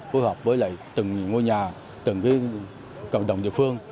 phối hợp với lại từng ngôi nhà từng viên cộng đồng địa phương